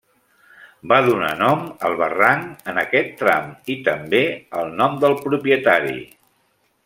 Van donar nom al barranc en aquest tram, i també el nom del propietari.